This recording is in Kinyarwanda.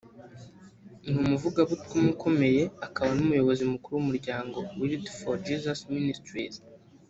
ni umuvugabutumwa ukomeye akaba n’Umuyobozi Mukuru w’umuryango Wilde For Jesus Ministries